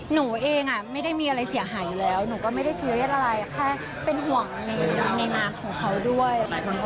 หนูเองไม่ได้มีอะไรเสียหายอยู่แล้วหนูก็ไม่ได้ซีเรียสอะไรแค่เป็นห่วงในงานของเขาด้วย